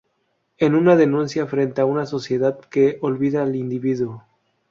Es una denuncia frente a una sociedad que olvida al individuo.